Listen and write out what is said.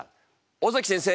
尾崎先生